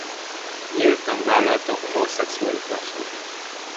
Nyíltan vállalta homoszexualitását.